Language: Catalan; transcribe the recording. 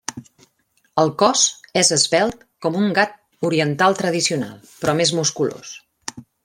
El cos és esvelt com un gat oriental tradicional, però més musculós.